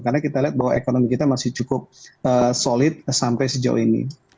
karena kita lihat bahwa ekonomi kita masih cukup solid sampai sejauh ini